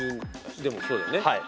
でもそうだよね。